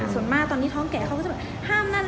ส่วนมากตอนนี้ท้องแก่เค้าก็จะแบบห้ามนั่นห้ามสิ้นจริง